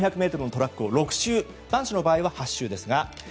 ４００ｍのトラックを６周男子の場合は８周です。